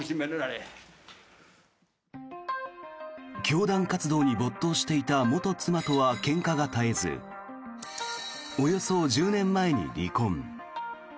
教団活動に没頭していた元妻とは、けんかが絶えずおよそ１０年前に離婚。